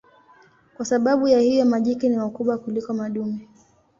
Kwa sababu ya hiyo majike ni wakubwa kuliko madume.